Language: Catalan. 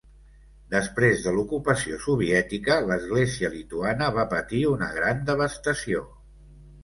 Després de l'ocupació soviètica, l'Església lituana va patir una gran devastació.